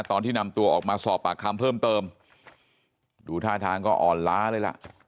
ตอนที่นำตัวออกมาสอบปากคำเพิ่มเติมดูท่าทางก็อ่อนล้าเลยล่ะ